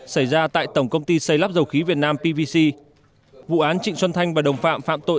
xảy ra tại tổng công ty xây lắp dầu khí việt nam pvc vụ án trịnh xuân thanh và đồng phạm phạm tội